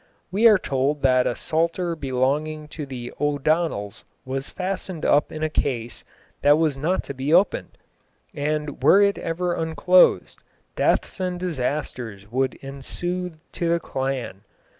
We are told that a Psalter belonging to the O'Donels was fastened up in a case that was not to be opened; and were it ever unclosed, deaths and disasters would ensue to the clan.